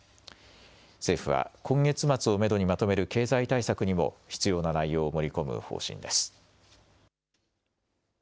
政府は、今月末をメドにまとめる経済対策にも、必要な内容を盛り込む方針です。